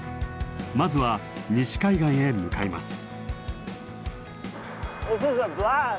まずは西海岸へ向かいます。